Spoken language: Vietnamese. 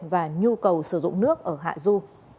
và nhu cầu sử dụng nước ở hạ du